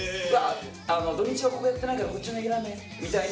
土日はここやってないからこっちのネギラーメンみたいな。